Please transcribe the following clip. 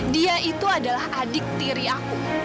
dia itu adalah adik tiri aku